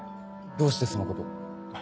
どうしてそのこと。